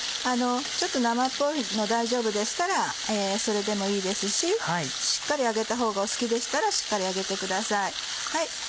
ちょっと生っぽいの大丈夫でしたらそれでもいいですししっかり揚げたほうが好きでしたらしっかり揚げてください。